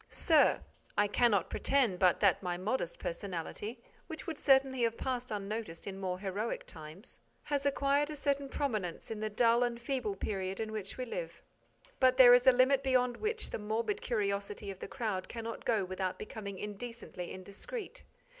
_ SIR: I cannot pretend but that my modest personality, which would certainly have passed unnoticed in more heroic times, has acquired a certain prominence in the dull and feeble period in which we live. But there is a limit beyond which the morbid curiosity of the crowd cannot go without becoming indecently indiscreet.